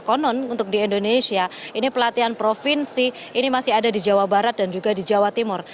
konon untuk di indonesia ini pelatihan provinsi ini masih ada di jawa barat dan juga di jawa timur